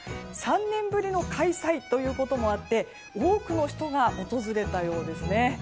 ３年ぶりの開催とあって多くの人が訪れたようです。